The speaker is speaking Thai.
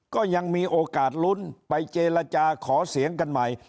ก็ยังมีโอกาสลุ้นไปเจรจาขอเสียงกันใหม่